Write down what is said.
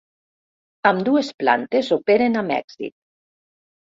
Ambdues plantes operen amb èxit.